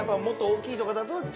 もっと大きいとかだと。